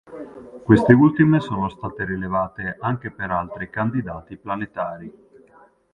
Queste ultime sono state rilevate anche per altri candidati planetari.